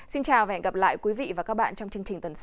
xin chào và hẹn gặp lại quý vị và các bạn trong chương trình tuần sau